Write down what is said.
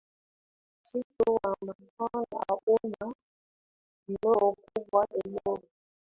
Msitu wa Amazon una eneo kubwa Eneo